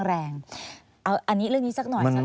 อันนี้เรื่องนี้สักหน่อย